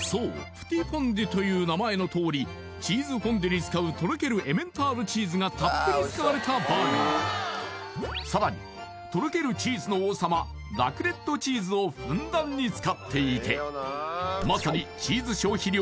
プティ・フォンデュという名前のとおりチーズフォンデュに使うとろけるエメンタールチーズがたっぷり使われたバーガーさらにとろけるチーズの王様ラクレットチーズをふんだんに使っていてまさにチーズ消費量